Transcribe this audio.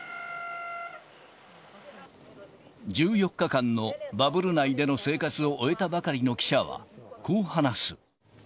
１４日間のバブル内での生活を終えたばかりの記者は、こう話す。